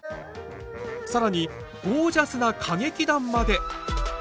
更にゴージャスな歌劇団まで！？